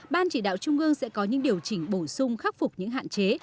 ban chỉ đạo trung ương sẽ có những điều chỉnh bổ sung khắc phục những hạn chế